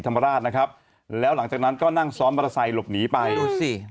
ธรรมราชนะครับแล้วหลังจากนั้นก็นั่งซ้อนมอเตอร์ไซค์หลบหนีไปดูสิ